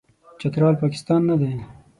چترال، پاکستان نه دی.